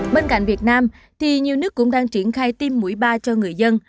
bên cạnh việt nam thì nhiều nước cũng đang triển khai tiêm mũi ba cho người dân